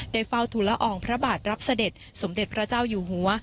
เฝ้าทุลอองพระบาทรับเสด็จสมเด็จพระเจ้าอยู่หัว